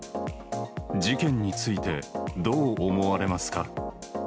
事件についてどう思われますか？